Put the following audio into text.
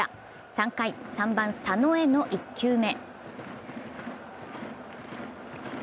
３回、３番・佐野への１球目。